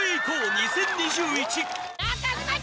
２０２１」